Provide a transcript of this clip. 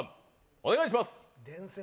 お願いします。